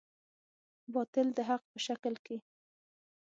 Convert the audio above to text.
باطل د حق په شکل کې.